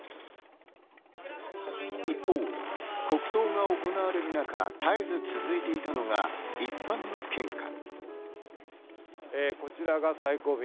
一方、国葬が行われる中、絶えず続いていたのが一般の献花。